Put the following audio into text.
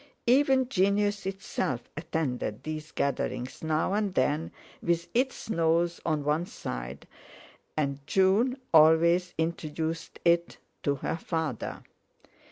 Even genius itself attended these gatherings now and then, with its nose on one side; and June always introduced it to her father.